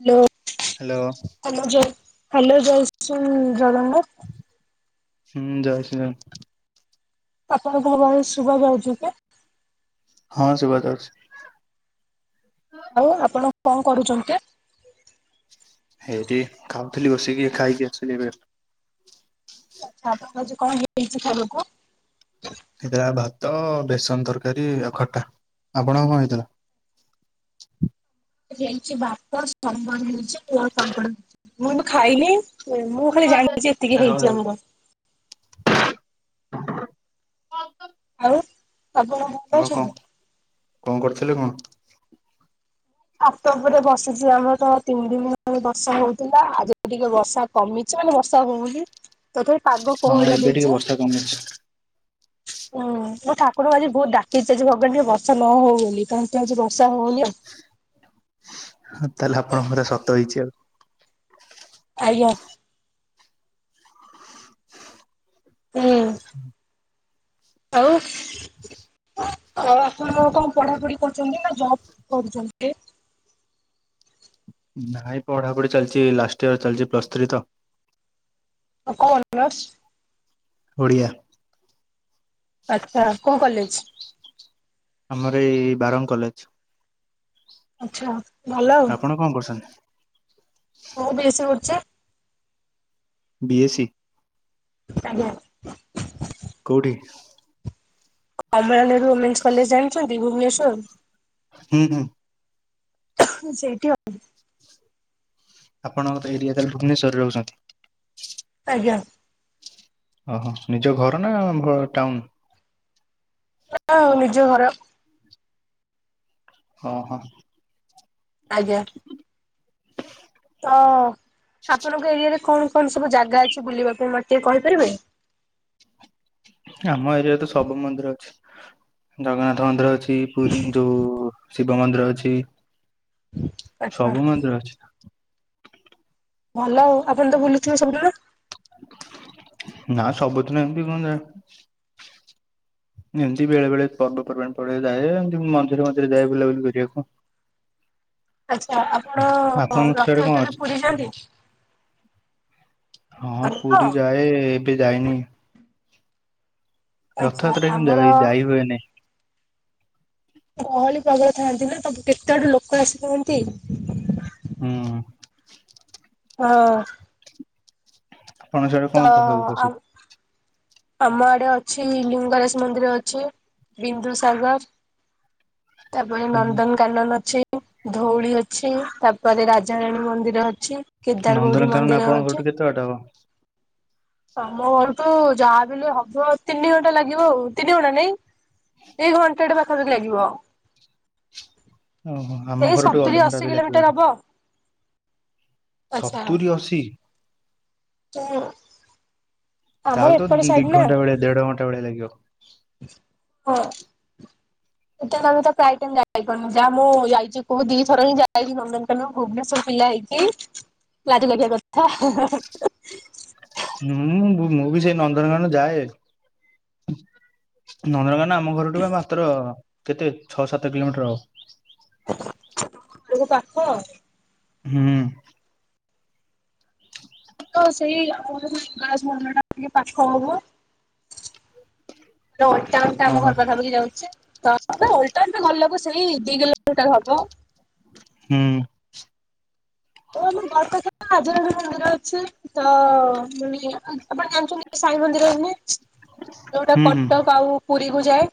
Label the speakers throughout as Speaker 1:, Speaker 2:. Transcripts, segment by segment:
Speaker 1: Hello.
Speaker 2: Hello.
Speaker 1: [inaudible] Hello ଜୟଶ୍ରୀ ଜଗନ୍ନାଥ।
Speaker 2: ହୁଁ ଜୟ ଶ୍ରୀ ରାମ।
Speaker 1: ଆପଣଙ୍କ ଭଏସ ଶୁଭା ଯାଉଛି କି?
Speaker 2: ହଁ ସୁଭାଯାଉଛି।
Speaker 1: ଆଉ ଆପଣ କଣ କରୁଛନ୍ତି?
Speaker 2: ହେଇଠୀ ଖାଉଥିଲି ବସିକି ଖାଇକି ଆସିଲି ଏବେ।
Speaker 1: ଆଛା ଆପଣଙ୍କ କଣ ହେଇଛି ଖାଇବାକୁ?
Speaker 2: ହେଇଥିଲା ଭାତ ବେସନ ତରକାରୀ ଆଉ ଖଟା ଆପଣ କଣ ହେଇଥିଲା?
Speaker 1: ହେଇଛି ଭାତ ସମ୍ବର [inaudible] ହେଇଛି କୁ ପାମ୍ପଡ ମୁଁଁ କିନ୍ତୁ ଖାଇନି। ମୁଁ ଖାଲି
Speaker 2: ଆପଣ କଣ
Speaker 1: ଜାଣିଲି ଜେ ଏତିକି ହେଇଛି ଆମର। ଆଉ ଆପଣଙ୍କର?
Speaker 2: ଆପଣ କଣ କଣ କରୁଥିଲେ କଣ?
Speaker 1: ଛାତ ଉପରେ ବସିଛି ଆମର ତ ତିନି ଦିନ ହେଲାଣି ବର୍ଷା ହଉଥିଲା ଆଜି ଟିକେ ବର୍ଷା କମିଛି ମାନେ ବର୍ଷା ହଉନି। ତଥାପି ପାଗ
Speaker 2: ହଁ
Speaker 1: କୋହଳିଆ
Speaker 2: ଏବେ
Speaker 1: ଦେଇଛି
Speaker 2: ଟିକେ ବର୍ଷା କମିଛି।
Speaker 1: ହୁଁ ମୁଁ ଠାକୁରଙ୍କୁ ଆଜି ବହୁତ ଡାକିଛି ଆଛି ଭଗବାନ ଟିକେ ବର୍ଷା ନ ହଉ ବୋଲି କାହିଁକି ଆଜି ବର୍ଷା ହଉନି ଆଉ
Speaker 2: ହଁ ତାହେଲେ ଆପଣଙ୍କର କଥା ସତ ହେଇଛି ଆଉ।
Speaker 1: ଆଜ୍ଞା। ହୁଁ। ଆଉ। ତ ଆପଣ କଣ ପଢାପଢି କରୁଛନ୍ତି ନା ଜବ କରୁଛନ୍ତି?
Speaker 2: ନାଇଁ ପଢାପଢି ଚାଲିଛି ଲାଷ୍ଟ ଇୟର ଚାଲିଛି ପ୍ଲସ୍ ଥ୍ରୀ ତ।
Speaker 1: ଆଉ କୋଉ ଅନର୍ସ?
Speaker 2: ଓଡ଼ିଆ।
Speaker 1: ଆଚ୍ଛା କୋଉ କଲେଜ।
Speaker 2: ଆମର ଏଇ ବାରଙ୍ଗ କଲେଜ।
Speaker 1: ଆଛା।
Speaker 2: ଆପଣ କଣ କରୁଛନ୍ତି।
Speaker 1: ମୁଁ ବି ଏ ସି କରୁଛି।
Speaker 2: B A C.
Speaker 1: ଆଜ୍ଞା।
Speaker 2: କୋଉଠି?
Speaker 1: କମଳା ନେହେରୁ ଓମେନ୍ସ କଲେଜ ଜାଣିଛନ୍ତି ଭୁବନେଶ୍ୱର।
Speaker 2: ହୁଁ ହୁଁ।
Speaker 1: ସେଇଠି ହ
Speaker 2: ଆପଣଙ୍କ ଏରିଆ ତ ଭୁବନେଶ୍ୱରେ ରହୁଛନ୍ତି।
Speaker 1: ଆଜ୍ଞା।
Speaker 2: ଓହୋ ନିଜ ଘର ନା ଟାଉନ।
Speaker 1: ହଁ ନିଜ ଘର।
Speaker 2: ଅ ହଁ।
Speaker 1: ଆଜ୍ଞା। ତ ଆପଣଙ୍କ ଏରିଆରେ କଣ କଣ ସବୁ ଜାଗା ଅଛି ବୁଲିବା ପାଇଁ ମତେ ଟିକେ କହିପାରିବେ।
Speaker 2: ଆମ ଏରିଆରେ ତ ସବୁ ମନ୍ଦିର ଅଛି। ଜଗନ୍ନାଥ ମନ୍ଦିର ଅଛି ପୁରୀ ଯୋଉ ଶିବ ମନ୍ଦିର ଅଛି।
Speaker 1: ଆଚ୍ଛା।
Speaker 2: ସବୁ ମାନ୍ଦୀ ର ଅଛି।
Speaker 1: ଭଲ ଆପଣ ତ ବୁଥିବେ ସବୁଦିନ।
Speaker 2: ନା ସବୁଦିନ ଏମିତି କଣ ଯାଏ ଏମିତି ବେଳେ ବେଳେ ପର୍ବପର୍ବାଣି ପଡେ ଯାଏ ଏମିତି ମଝିରେ ମଝିରେ ଯାଏ ବୁଲାବୁଲି କରିବାକୁ।
Speaker 1: ଆଚ୍ଛା ଆପଣ
Speaker 2: ଆପଣଙ୍କ ସିଆଡେ
Speaker 1: ରଥ
Speaker 2: କଣ ଅଛି
Speaker 1: ଯାତ୍ରା ରେ ଯାନ୍ତି।
Speaker 2: ହଁ
Speaker 1: ଆମର
Speaker 2: ପୁରୀ ଯାଏ ଏବେ ଯାଇନି।
Speaker 1: ଆଚ୍ଛା
Speaker 2: ରଥଯାତ୍ରା କିନ୍ତୁ
Speaker 1: ଆମର
Speaker 2: ଯାଇ ଯାଇହୁଏନି।
Speaker 1: ଗହଳି ପବଳ ଥାନ୍ତି ନା ତମୁ କେତେ ଆଡୁ ଲୋକ ଆସିଥାନ୍ତି।
Speaker 2: ହୁଁ।
Speaker 1: ହଁ।
Speaker 2: ଆପଣ ସିଆଡେ କଣ
Speaker 1: ତ
Speaker 2: ସବୁ
Speaker 1: ଆ
Speaker 2: ପ୍ରସିଦ୍ଧ
Speaker 1: ଆମ ଆଡେ ଅଛି ଲିଙ୍ଗରାଜ ମନ୍ଦିର ଅଛି ବିନ୍ଦୁ ସାଗର। ତାପରେ
Speaker 2: ହୁଁ
Speaker 1: ନନ୍ଦନ କାନନ ଅଛି ଧଉଳି ଅଛି ତାପରେ ରାଜାରାଣୀ ମନ୍ଦିର ଅଛି। କେଦାର ଗୌରୀ
Speaker 2: ନନ୍ଦନକାନନ
Speaker 1: ମନ୍ଦିର
Speaker 2: ଆପଣଙ୍କ ଘରଠୁ କେତେ ବାଟ ହବ।
Speaker 1: ତମ ଘର ତୁ ଯାହା ବଲେ ହବ ତିନି ଘଣ୍ଟା ଲାଗିବ ଆଉ ତିନି ଘଣ୍ଟା ନାଇଁ। ଏଇ ଘଣ୍ଟାଟେ ପାଖପି ଲାଗିବ।
Speaker 2: ଓହୋ ଆମ
Speaker 1: ଏଇ
Speaker 2: ଘରଠୁ
Speaker 1: ସତୁରି
Speaker 2: ଅଧଘଣ୍ଟା ବି
Speaker 1: ଅଶୀ
Speaker 2: ଲାଗିବନି
Speaker 1: କିଲୋମିଟର ହବ।
Speaker 2: ସତୁରି ଅଶୀ।
Speaker 1: ଆମ ଏପଟ ସାଇଡ ନା।
Speaker 2: ଦେଢ଼ ଘଣ୍ଟା ଭଳିଆ ଲାଗିବ।
Speaker 1: ହଁ। ସେଟ ତମେ ଭାବୁ ଥିବ ପ୍ରାୟ ଟାଇମ ଯାଇପାରୁନୁ ଯାହା ମୁଁ ଯାଇଛି ଦିଥଣ ଯାଇଛି ନନ୍ଦନକାନ ଭୁବନେଶ୍ୱର ପିଲା ହେଇକି। ଲାଜ ଲାଗିବା କଥା।
Speaker 2: ହୁଁ ମୁଁ ମୁଁ ବି ସେ ନନ୍ଦନକାନନ ଯାଏ ନନ୍ଦନକାନ ନା ଆମ ଘରଠୁ ବା ମାତ୍ର କେତେ ଛଅ ସାତ କିଲୋମିଟର ହବ।
Speaker 1: [inaudible] ପାଖ
Speaker 2: ହୁଁ।
Speaker 1: ତ ସେଇ [unintelligible] ମନ୍ଦର ଟା ଟିକେ ପାଖ ହବ। [inaudible] ଆବେ
Speaker 2: ଓହୋ
Speaker 1: ଓଲଟା ଗଲ ଲାଗୁ ସେଇ ଦି କିଲୋମିଟର ଟା ହବ।
Speaker 2: ହୁଁ।
Speaker 1: [inaudible] ତ [unintelligible] ଆପଣ ଜାଣିଛନ୍ତି ସାଇ ମନ୍ଦିର ରୁହେ। ଯୋଉଟା
Speaker 2: ହୁଁ ହୁଁ
Speaker 1: କଟକ ଆଉ ପୁରୀକୁୁ ଯାଏ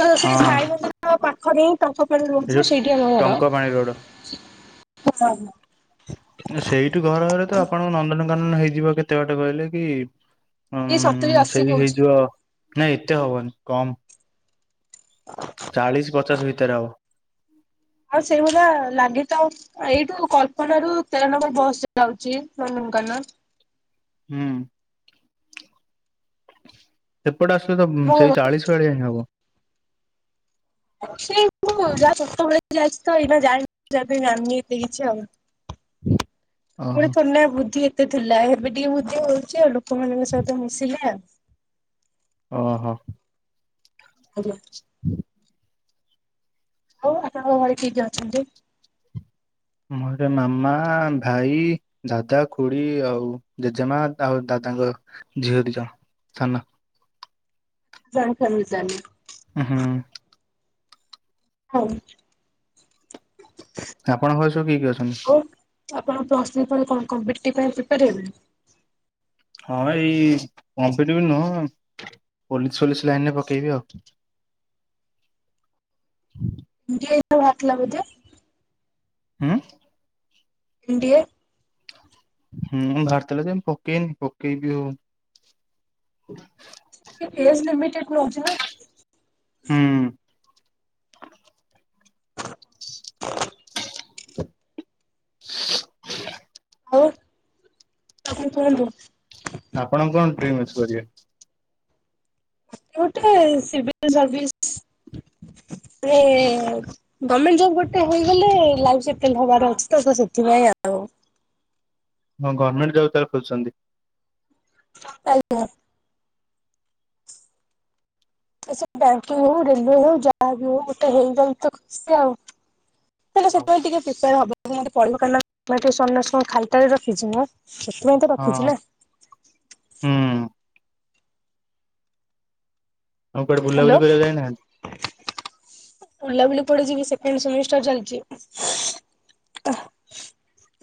Speaker 1: [inaudible] ସେଇ
Speaker 2: ହଁ
Speaker 1: ସାଇ ମନ୍ଦିର ପାଖ ଦେଇ। ଟଙ୍କ ପାଣି
Speaker 2: ଏ ଯୋଉ
Speaker 1: ରହୁଥିବ ସେଇଠି ଆମ ଘର।
Speaker 2: ଟଙ୍କ ପାଣି ରୋଡ ସେଇଠୁ ଘର ହେଲେ ତ ଆପଣଙ୍କ ନନ୍ଦନ କାନନ ହେଇଯିବ କେତେ ବାଟେ କହିଲେ କି ଉଁ
Speaker 1: ଏଇ ସତୁରି ଅଶୀ
Speaker 2: ସେଇ
Speaker 1: କହୁଛି।
Speaker 2: ହେଇଯିବ। ନାଇଁ ଏତେ ହବନି କମ୍ ଚାଳିଶି ପଚାଶ ଭିତରେ ହବ।
Speaker 1: ଆଉ ସେଇଭଳିଆ ଲାଗେ ତ ଆଉ। ଏଇଠୁ କଳ୍ପନା ରୁ ତେର ନମ୍ବର ବସ୍ ଯାଉଛି ନନ୍ଦନ କାନନ।
Speaker 2: ହୁଁ। ସେପଟେ ଆସିଲେ ତ
Speaker 1: ଆମ ଘର
Speaker 2: ସେଇ ଚାଳିଶ ଭଳିଆ ହିଁ ହବ।
Speaker 1: ସେଇ ମୁଁ ଯାହା ଛୁଟ ବେଳେ ଯାଇଛି ତ ଏଇନା ଯାଇନି ଜାଣିନି ଏତେ କିଛି ଆଉ। ପୁଣି
Speaker 2: ଓହୋ
Speaker 1: ଥୁଡିନା ବୁଦ୍ଧି ଏତେ ଥିଲା ଏବେ ଟିକେ ବୁଦ୍ଧି ହଉଛି ଆଉ। ଲୋକମାନଙ୍କ ସହିତ ମିଶିଲେ ଆଉ।
Speaker 2: ଓହୋ।
Speaker 1: ଆଜ୍ଞା। ଆଉ ଆପଣଙ୍କ ଘରେ କିଏ କିଏ ଅଛନ୍ତି?
Speaker 2: ମୋର ଗୋଟେ ମାମା ଭାଇ। ଦାଦା ଖୁଡି ଆଉ ଜେଜେମା ତା ଆଉ ଦାଦାଙ୍କ ଝିଅ ଦି ଜଣ ସାନ।
Speaker 1: ଜଏଣ୍ଟ ଫ୍ୟାମିଲି ତାହେଲେ।
Speaker 2: ଉଁ ହୁଁ।
Speaker 1: ହଉ।
Speaker 2: ଆପଣଙ୍କ ଘରେ ସବୁ କିଏ କିଏ ଅଛନ୍ତି?
Speaker 1: ଆଉ ଆପଣ ପ୍ଲସ ଥ୍ରି ପରେ କଣ କମ୍ପିଟିଭ୍ ପାଇଁ ପ୍ରିପାର ହେବେ।
Speaker 2: ହଁ ଏଇ କମ୍ପିଟିଭ ନୁହଁ ପୋଲିସ ଫୋଲିସ ଲାଇନ ରେ ପକେଇବି ଆଉ।
Speaker 1: ବି ଡି ଏ [unintelligible] ବାହାରି ଥିଲା ବଧେ।
Speaker 2: ହୁଁ।
Speaker 1: B D A.
Speaker 2: ହୁଁ ବାହାରି ଥିଲା ଯେ ମୁଁ ପକେଇନି ପକେଇବି ଆଉ।
Speaker 1: କେ ଏଜ୍ ଲିମିଟେଡ ନଉଛି ନା।
Speaker 2: ହୁଁ। [inaudible]
Speaker 1: ଆଉ ଆଉ କଣ କୁହନ୍ତୁ।
Speaker 2: ଆପଣ କଣ ଟ୍ରିମେସ୍ କରିବେ?
Speaker 1: ମୁଁ ଗୋଟେ ସିଭିଲି ସେର୍ଭିସ ରେ ଗମେଣ୍ଟ ଜବ ଗୋଟେ ହେଇଗଲେ ଲାଇଫ ସେଟଲ ହବାର ଅଛି ତ ସେଥିପାଇଁ ଆଉ।
Speaker 2: ହଁ ଗଭମେଣ୍ଟ ଜବ୍ ତାହେଲେ ଖୋଜୁଚନ୍ତି।
Speaker 1: ଆଜ୍ଞା। ଆଉ ବ୍ୟାଙ୍କିଂ ହଉ ରେଲୱେ ହଉ ଯାହା ବି ହଉ ଗୋଟେ ହେଇଗଲେ ତ ଖୁସି ଆଉ। ହେଲେ
Speaker 2: ହଁ
Speaker 1: ସେଥିପାଇଁ ଟିକେ ପ୍ରିପେୟାର ହବାକୁ ମତେ ପଡ଼ିବ କାହିଁକିନା [inaudible] ଖାଲିଟାରେ ରଖିଚି ମୁଁ। ସେଥିପାଇଁ ତ
Speaker 2: ହୁଁ
Speaker 1: ରଖିଛି ନା।
Speaker 2: ଆଉ କୁଆଡେ ବୁଲାବୁଲି
Speaker 1: ହ୍ୟାଲୋ।
Speaker 2: କରିବା ପାଇଁ ଯାଇନାହାନ୍ତି।
Speaker 1: ବୁଲାବୁଲି କୁଆଡ଼େ ଯିବି ସେକେଣ୍ଡ ସେମିଷ୍ଟାର ଚାଲିଚି।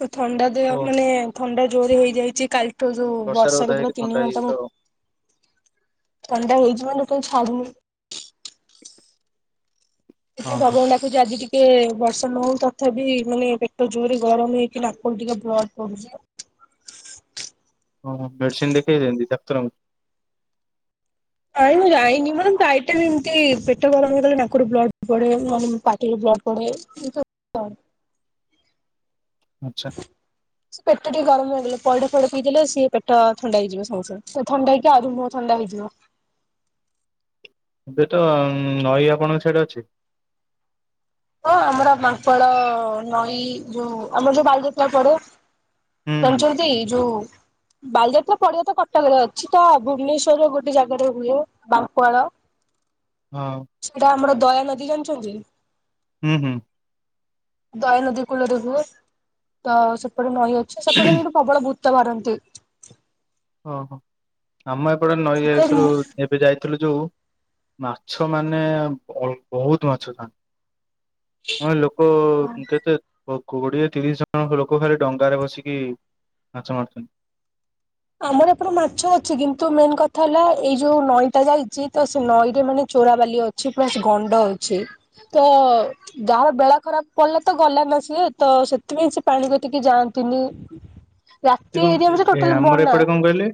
Speaker 1: ଏ ଥଣ୍ଡା
Speaker 2: ଓ
Speaker 1: ଦେହ ମାନେ ଥଣ୍ଡା ଜୋରେ ହେଇଯାଇଛି କାଲି ଠୁ ଯୋଉ
Speaker 2: ଓଦା
Speaker 1: ବର୍ଷାରେ
Speaker 2: ହେଇକି
Speaker 1: ପୁରା
Speaker 2: ଥଣ୍ଡା
Speaker 1: ତିନି ଘଣ୍ଟାରୁ
Speaker 2: ହେଇଯାଇଥିବ
Speaker 1: ଥଣ୍ଡା ହେଇଚି ମାନେ କେବେ ଛାଡୁନି।
Speaker 2: ଆଉ
Speaker 1: ସେଇଥିପାଇଁ
Speaker 2: ହଁ
Speaker 1: ଭଗବାନଙ୍କୁ ଡାକ ହୋଉଛି ଆଜି ଟିକେ ବର୍ଷା ନ ହଉ। ତଥାପି ମାନେ ପେଟ ଜୋରରେ ଗରମ ହେଇକି ନାକରୁ ଟିକେ ବ୍ଲଡ଼ ପଡୁଛି।
Speaker 2: ଓହ ମେଡିସିନ ଦେଖେଇଚନ୍ତି ଡାକ୍ତରଙ୍କୁ?
Speaker 1: ଆଇ ମୁଁ ଯାଇନି ମୋର ଯାଇଟା ବି ଏମିତି ପେଟ ଗରମ କଲେ ନାକରୁ ବ୍ଲଡ ପଡେ ମ ପାଟିରୁ ବ୍ଲଡ ପଡେ। ଏଇତ
Speaker 2: ଆଚ୍ଛା
Speaker 1: [inaudible] ସେ ପେଟ ଟିକେ ଗରମ ହେଇଗଲେ ପଇଡ଼ ଫଇଡ ପିଇ ଦେଲେ ସେ ପେଟ ଥଣ୍ଡା ହେଇଯିବ ସାଙ୍ଗେ ସାଙ୍ଗେ ସେ ଥଣ୍ଡା ହେଇକି ଆଉରି ମୁହଁ ଥଣ୍ଡା ହେଇଯିବ।
Speaker 2: ଏବେ ତ ନଈ ଆପଣଙ୍କ ସିଆଡ଼େ ଅଛି।
Speaker 1: ହଁ ଆମର ମାଙ୍କଡ଼ ନଈ ଯୋଉ ଆମର ଯୋଉ ବାଲିଯାତ୍ରା ପଡେ।
Speaker 2: ହୁଁ ହୁଁ
Speaker 1: ଜାଣିଛନ୍ତି ଯୋଉ ବାଲିଯାତ୍ରା ପଡିିଆ ତ କଟକରେ ଅଛି। ତ ଭୁବନେଶ୍ୱରର ଗୋଟେ ଜାଗାରେ ହୁଏ ବାଙ୍କୁଆଳ।
Speaker 2: ହଁ।
Speaker 1: ସେଇଟା ଆମର ଦୟାନଦୀ ଜାଣିଛନ୍ତି।
Speaker 2: ହୁଁ ହୁଁ।
Speaker 1: ଦୟାନଦୀ କୂଳରେ ହୁଏ। ତ ସେପଟେ ନଈ ଅଛି। ସେପଟେ କିନ୍ତୁ ପ୍ରବଳ ଭୂତ ବାହାରନ୍ତି।
Speaker 2: ଓ ହୋ ଆମ ଏପଟେ ନଈସରୁ
Speaker 1: ସେପଟେ
Speaker 2: ଏବେ ଯାଇଥିଲୁ ଯୋଉ ମାଛ ମାନେ ଅଲ୍ ବହୁତ ମାଛଥାନ୍ତି। ହଁ ଲୋକ କେତେ ଓ କୋଡିଏ ତିରିଶ ଜଣ ଲୋକ ଖାଲି ଡଙ୍ଗାରେ ବସିକି ମାଛ ମାରୁଛନ୍ତି।
Speaker 1: ଆମର ଏପରେ ମାଛ ଅଛି କିନ୍ତୁ ମେନ୍ କଥା ହେଲା ଏଇ ଯୋଉ ନଈଟା ଯାଇଛି ତ ସେ ନଈ ରେ ମାନେ ଚୋରାବାଲି ଅଛି। ଅଛି ପ୍ଲସ ଗଣ୍ଡ ଅଛି ତ ଯାହାର ବେଳା ଖରାପ ପଡ଼ିଲା ତ ଗଲା ନା ସିଏ ତ ସେଥିପାଇଁ ସି ପାଣି କତିକି ଯାଆନ୍ତିନି।
Speaker 2: ଏଠି
Speaker 1: ରାତି
Speaker 2: କଣ
Speaker 1: ଏରିଆକୁ ତ
Speaker 2: ଏ
Speaker 1: ଟୋଟାଲି
Speaker 2: ଆମର
Speaker 1: ବନ୍ଦ।
Speaker 2: ଏପଟେ କହିଲେ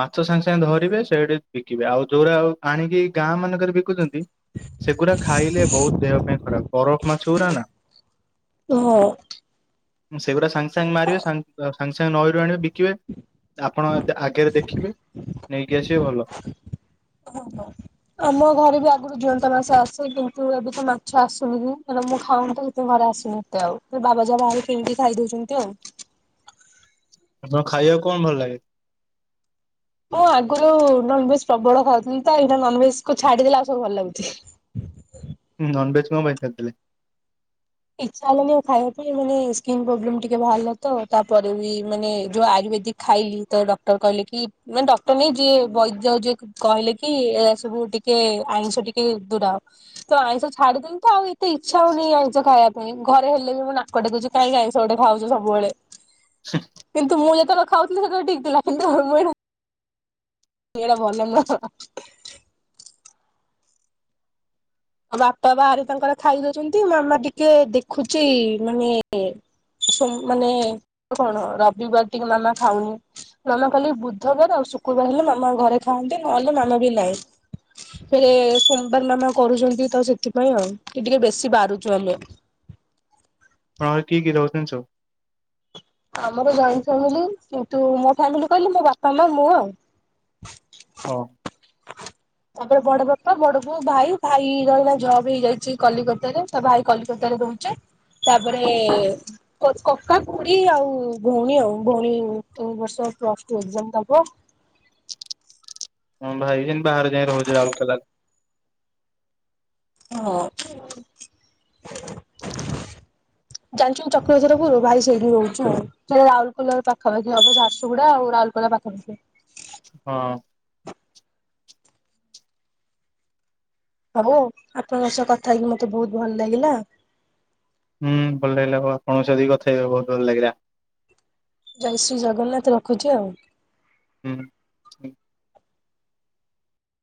Speaker 2: ମାଛ ସାଙ୍ଗେ ସାଙ୍ଗେ ଧରିବେ ସେଇଠି ବିକିବେ ଆଉ ଯୋଉଟା ଆ ଆଣିକି ଗାଁ ମାନଙ୍କରେ ବିକୁଛନ୍ତି ସେଗୁଡା ଖାଇଲେ ବହୁତ ଦେହ ପାଇଁ ଖରାପ ବରଫ ମାଛ ଗୁରା ନା।
Speaker 1: ଓହ।
Speaker 2: ସେଗୁଡା ସାଙ୍ଗେ ସାଙ୍ଗେ ମାରିବେ ସାଙ୍ଗେ ସାଙ୍ଗେ ନଈରୁ ଆଣିବେ ବିକିବେ। ଆପଣ ଆଗରେ ଦେଖିବେ ନେଇକି ଆସିବେ ଭଲ।
Speaker 1: ହ ହୋ। ଆମ ଘରେ ବି ଆଗରୁ ଜୁଅନ୍ତା ମାଛ ଆସେ। କିନ୍ତୁ ଏବେ ତ ମାଛ ଆସୁନି କାରଣ ମୁଁ ଖାଉନି ତ ହେଇଥି ତ ଘରେ ଆସୁନି ଏତେ ଆଉ। ତ ବାବା ଯା ବାହାରେ କିଣିକି ଖାଇଦଉଛନ୍ତି ଆଉ।
Speaker 2: ଆପଣଙ୍କୁ ଖାଇବାକୁ କଣ ଭଲ ଲାଗେ?
Speaker 1: ମୁଁ ଆଗରୁ ନନଭେଜ ପ୍ରବଳ ଖାଉଥିଲି ତ ଏଇଟା ନନଭେଜ କୁ ଛାଡିଦେଲେ ଆଉ ସବୁ ଭଲ ଲାଗୁଛି।
Speaker 2: ହୁ ନନ୍ଭେଜ୍ କଣ ପାଇଁ ଛାଡିଦେଲେ?
Speaker 1: ଇଛା ହେଲାନି ଆଉ ଖାଇବା ପାଇଁ ମାନେ ସ୍କିନ୍ ପ୍ରୋବ୍ଲେମ ଟିକେ ବାହାରିଲା ତ ତାପରେ ବି ମାନେ ଯୋଉ ଆୟୁର୍ବେଦିକ୍ ଖାଇଲି ତ ଡକ୍ଟର କହିଲେ କି ମାନେ ଡକ୍ଟର ନାଇଁ ଯିଏ ବୈଦ୍ୟ ଯିଏ କହିଲେ କି ଏରା ସବୁ ଟିକେ ଆଇିଁଷ ଟିକେ ଦୂରାଅ। ତ ଆଇଁଷ ଛାଡିଦେଇନ ତ ଆଉ ଏତେ ଇଚ୍ଛା ହଉନି ଆଉ ସ ଖାଇବା ପାଇଁ ଘରେ ହେଲେ ବି ମୁଁ ନାକଟେକୁଚି କାହିଁକି ଆଇଁଷ ଗୋଟେ ଖାଉଚ ସବୁବଳେ। କିନ୍ତୁ ମୁଁ ଯେତେବେଳେ ଖାଉଥିଲି ସେତେବେଳେ ଠିକ୍ ଥିଲା କିନ୍ତୁ ମୁଁ [unintelligible] ଏଇଟା ଭଲ ନୁହଁ ହ। ଆଉ ବାପା ବାହାରେ ତାଙ୍କର ଖାଇ ଦଉଚନ୍ତି ମାମା ଟିକେ ଦେଖୁଚି ମାନେ ସୋମ୍ ମାନେ କଣ ରବିବାର ଟିକେ ମାମା ଖାଉନି। ମାମା ଖାଲି ବୁଧବାର ଆଉ ଶୁକ୍ରବାର ହେଲେ ମାମା ଘରେ ଖାଆନ୍ତି ନହେଲେ ମାମା ବି ନାଇ। ଫେରେ ସୋମବାର ମାମା କରୁଚନ୍ତି ତ ସେଥିପାଇଁ ଆଉ କି ଟିକେ ବେଶୀ ବାରୁଚୁ ଆମେ।
Speaker 2: ହଁ କିଏ କିଏ ରହୁଛନ୍ତି ସବୁ?
Speaker 1: ଆମର ଜଏଣ୍ଟ ଫ୍ୟାମିଲି। କିନ୍ତୁ ମୋ ଫ୍ୟାମିଲି କହିଲେ ମୋ ବାପା, ମା, ମୁଁ ଆଉ।
Speaker 2: ହଁ
Speaker 1: ତାପରେ ବଡ ବାପା, ବଡ ବୋଉ, ଭାଇ ଭାଇର ଏଇନା ଜବ୍ ହେଇଯାଇଛି କଲିକତାରେ। ତ ଭାଇ କଲିକତା ରେ ରହୁଚି। ତାପରେ କକା ଖୁ ଡୀ ଆଉ ଭଉଣୀ ଆଉ। ଭଉଣୀ ଏ ବର୍ଷ ପ୍ଲସ୍ ଟୁ ଏକଜାମ ଦବ।
Speaker 2: ମୋ ଭାଇ ବି ସେମିତି ବାହାରେ ଯାଇଁ ରହୁଚି ରାଉରକେଲାରେ।
Speaker 1: ହଁ। ଜାଣିଛୁ ଚକ୍ରଧର ପୁରୁ ଭାଇ ସେଇଠି ରହୁଚି ଆଉ। ସେଟା ରାଉରକେଲାକୁ ପାଖାପାଖି ହବ ଝାରସୁଗୁଡ଼ା ଆଉ ରାଉରକେଲା ପାଖାପାଖି।
Speaker 2: ହଁ।
Speaker 1: ହଉ ଆପଣଙ୍କ ସହ କଥା ହେଇକି ମତେ ବହୁତ୍ ଭଲ ଲାଗିଲା।
Speaker 2: ହୁଁ ଭଲ ଲାଗିଲା ଆଉ ଆପଣଙ୍କ ସହିତ ବି କଥାହେଇବି ବହୁତ୍ ଭଲ ଲାଗିଲା।
Speaker 1: ଜୟ ଶ୍ରୀ ଜଗନ୍ନାଥ ରଖୁଚି ଆଉ।
Speaker 2: ହୁଁ।